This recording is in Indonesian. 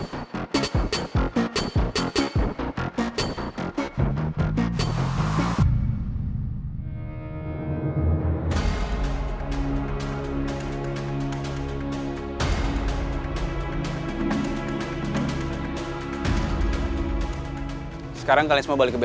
apa yang disimpan kulitnya